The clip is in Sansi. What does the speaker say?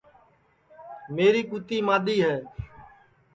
میری کُوتی مادؔی ہے